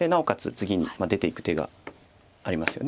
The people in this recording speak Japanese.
次に出ていく手がありますよね。